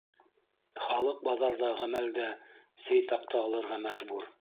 Халыҡ баҙарҙа ғәмәлдә сей таҡта алырға мәжбүр.